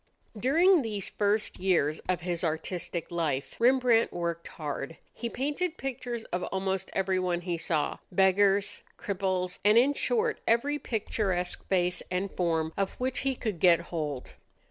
During these first years of his artistic life, Rembrandt worked hard. He painted pictures of almost everyone he saw beggars, cripples, and in short every picturesque face and form of which he could get hold.